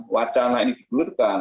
wacana ini dibulirkan